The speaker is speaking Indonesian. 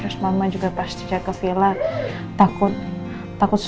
sampai jumpa lagi